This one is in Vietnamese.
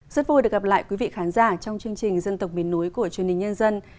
rất vui được gặp lại quý vị khán giả trong chương trình dân tộc miền núi của truyền hình nhân dân